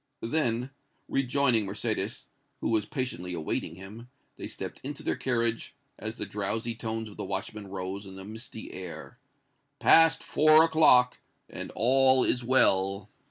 Then, rejoining Mercédès, who was patiently awaiting him, they stepped into their carriage, as the drowsy tones of the watchman rose on the misty air, "Past four o'clock, and all is well!"